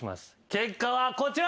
結果はこちら。